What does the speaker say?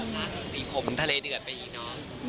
หน้าสักทีผมทะเลเดือดไปอีกน้อย